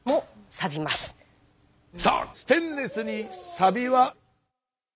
さあステンレスにサビは？